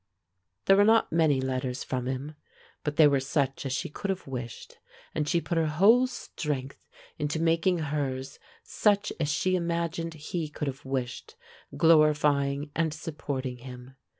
There were not many letters from him, but they were such as she could have wished, and she put her whole strength into making hers such as she imagined he could have wished, glorifying and supporting him.